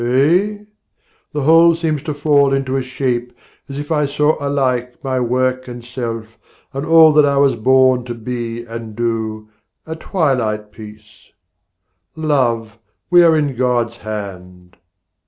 Eh? the whole seems to fall into a shape As if I saw alike my work and self And all that I was born to be and do, A twilight piece. Love, we are in God's hand.